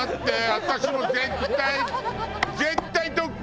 私も絶対。